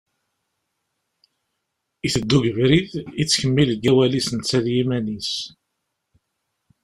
Iteddu deg ubrid yettkemmil deg wawal-is netta d yiman-is.